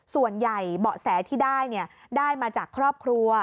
ส่วนใหญ่เบาะแสที่ได้ได้มาจากครอบครัว